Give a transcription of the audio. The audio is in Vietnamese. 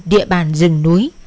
địa bàn rừng núi